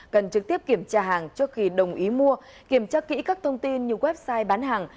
cần trực tiếp kiểm tra hàng trước khi đồng ý mua kiểm tra kỹ các thông tin như website bán hàng